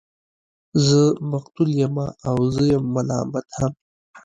زه مقتول يمه او زه يم ملامت هم